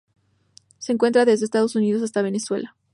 Se encuentra desde Estados Unidos hasta Venezuela.